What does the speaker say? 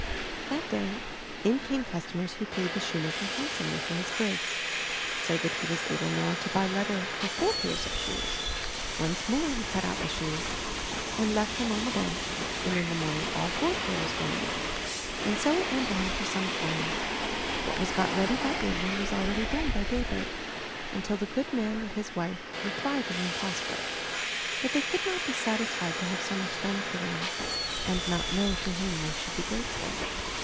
That day in came cus tomers who paid the shoe maker handsomely for his goods, so that he was able now to buy leather for four pairs of shoes. Once more he cut out the shoes and left them on 347 MY BOOK HOUSE the bench, and in the morning all four pairs were made. And so it went on for some time; what was got ready by evening was already done by daybreak, until the good man and his wife were thriving and prosperous. But they could not be satisfied to have so much done for them and not know to whom they should be grateful.